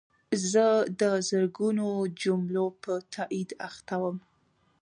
زه د زرګونو جملو په تایید اخته وم.